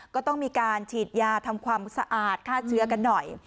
ก็ต้องมีการฉีดยาทำความสะอาดฆ่าเชื้อกันหน่อย